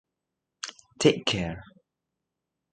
Take Care.